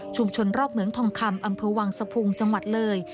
รอบเหมืองทองคำอำเภอวังสะพุงจังหวัดเลย